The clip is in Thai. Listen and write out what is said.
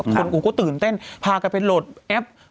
กูก็ตื่นเต้นพากันไปโหลดแอป